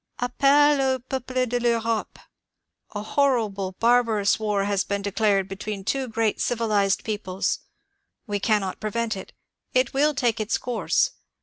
APPEL AUX PEUPLE8 DE L'EUBOPE 1 A horrible, a barbarous war has been declared between two great civilized peoples. We cannot prevent it ; it will take its course.